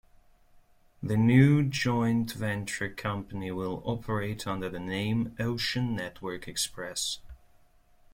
The new joint venture company will operate under the name "Ocean Network Express".